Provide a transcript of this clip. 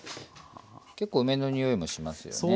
結構梅のにおいもしますよね。